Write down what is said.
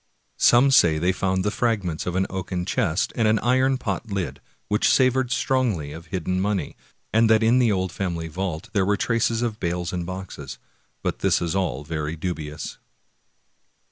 Some say they found the fragments of an oaken chest, and an iron pot lid, which savored strongly of hidden money, and that in the old family vault there were traces of bales and boxes; but this is all very dubious.